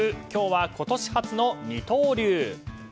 今日は今年初の二刀流。